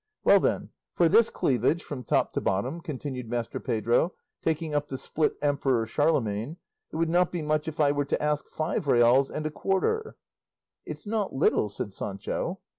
"Well then, for this cleavage from top to bottom," continued Master Pedro, taking up the split Emperor Charlemagne, "it would not be much if I were to ask five reals and a quarter." "It's not little," said Sancho.